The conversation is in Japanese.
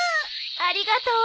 ありがとう。